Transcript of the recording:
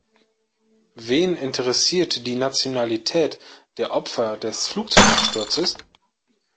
Wen interessiert die Nationalität der Opfer des Flugzeugabsturzes?